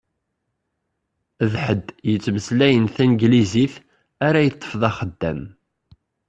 D ḥedd yettmeslayen taneglizit ara yeṭṭef d axeddam.